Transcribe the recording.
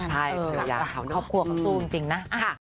คุณอยากข่าวเนอะครอบครัวเขาสู้จริงนะ